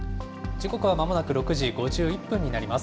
時刻はまもなく６時５１分になります。